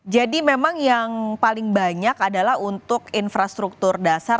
jadi memang yang paling banyak adalah untuk infrastruktur dasar